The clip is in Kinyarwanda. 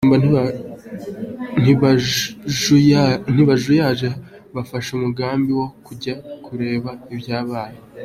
Aba bashumba ntibajuyaje, bafashe umugambi wo kujya kureba ibyabaye.